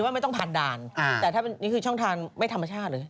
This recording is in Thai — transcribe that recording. ไม่ต้องผ่านด่านแต่ถ้าเป็นช่องทางไม่ธรรมชาติ